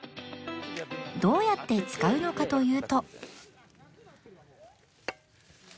どうやって使うのかというと